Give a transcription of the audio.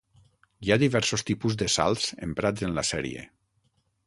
Hi ha diversos tipus de salts emprats en la sèrie.